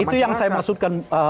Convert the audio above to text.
itu yang saya maksudkan